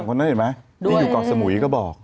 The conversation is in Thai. คุณที่อยู่กรทำสมุยก็บอก